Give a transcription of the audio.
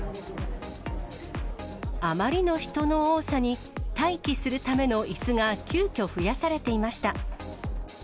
あまりの人の多さに、待機するためのいすが急きょ増やされていました。